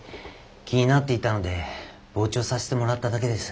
気になっていたので傍聴させてもらっただけです。